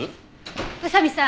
宇佐見さん